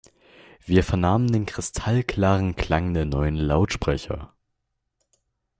Wir vernahmen den kristallklaren Klang der neuen Lautsprecher.